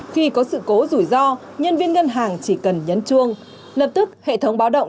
khi có sự cố rủi ro nhân viên ngân hàng chỉ cần nhấn chuông lập tức hệ thống báo động